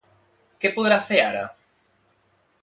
Què podrà fer ara?